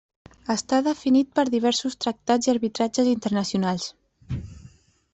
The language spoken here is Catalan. Està definit per diversos tractats i arbitratges internacionals.